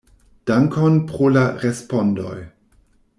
Dankon pro la respondoj!